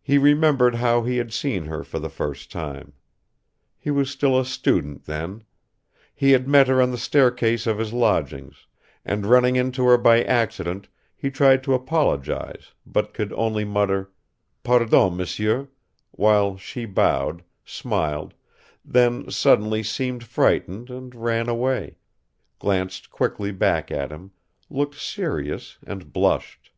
He remembered how he had seen her for the first time. He was still a student then. He had met her on the staircase of his lodgings, and running into her by accident he tried to apologize but could only mutter "Pardon, Monsieur," while she bowed, smiled, then suddenly seemed frightened and ran away, glanced quickly back at him, looked serious and blushed.